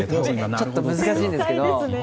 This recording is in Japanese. ちょっと難しいですけど。